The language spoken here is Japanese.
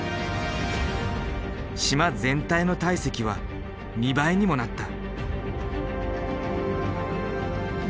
島全体の体積は２倍にもなった。